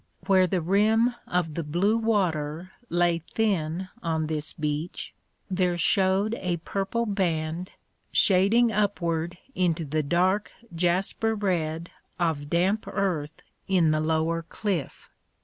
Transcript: Where the rim of the blue water lay thin on this beach there showed a purple band, shading upward into the dark jasper red of damp earth in the lower cliff.